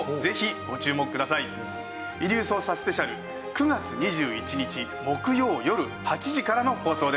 ９月２１日木曜よる８時からの放送です。